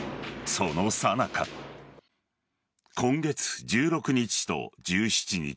そのさなか今月１６日と１７日